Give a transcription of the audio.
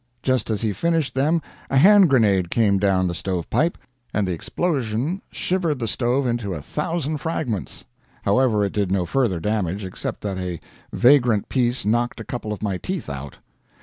Just as he finished them a hand grenade came down the stove pipe, and the explosion shivered the stove into a thousand fragments. However, it did no further damage, except that a vagrant piece knocked a couple of my teeth out.